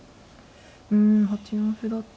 うん８四歩だと。